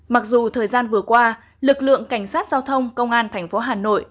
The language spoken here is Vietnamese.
mặc dù thời gian vừa qua lực lượng cảnh sát giao thông công an tp hà nội